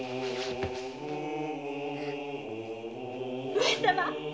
上様。